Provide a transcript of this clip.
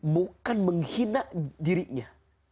bukan menghina dirinya